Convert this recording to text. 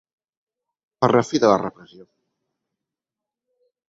Per la fi de la repressió.